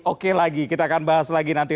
oke lagi kita akan bahas lagi nanti